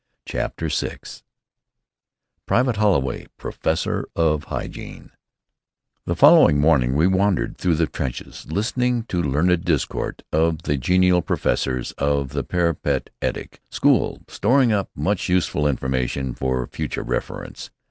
CHAPTER VI PRIVATE HOLLOWAY, PROFESSOR OF HYGIENE The following morning we wandered through the trenches listening to the learned discourse of the genial professors of the Parapet etic School, storing up much useful information for future reference.